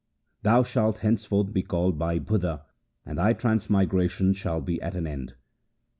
Thou shalt henceforth be called Bhai Budha, and thy transmigration shall be at an end.'